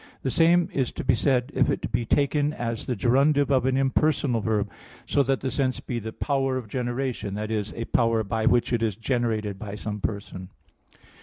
The same is to be said if it be taken as the gerundive of an impersonal verb, so that the sense be "the power of generation" that is, a power by which it is generated by some person.